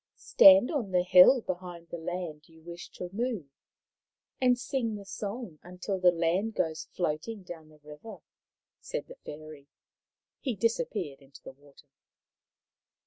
" Stand on the hill behind the land you wish to move, and sing the song until the land goes floating down the river," said the fairy. He disappeared into the water.